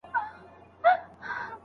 که مشکل وي، حل مه ځنډوئ.